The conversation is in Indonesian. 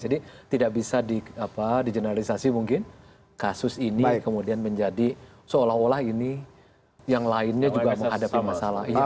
jadi tidak bisa dijeneralisasi mungkin kasus ini kemudian menjadi seolah olah ini yang lainnya juga menghadapi masalah